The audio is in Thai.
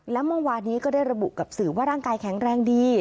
และเมื่อวานนี้ก็ได้ระบุกับสื่อว่าร่างกายแข็งแรงดี